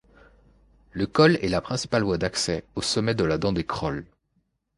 Le col est la principale voie d'accès au sommet de la Dent de Crolles.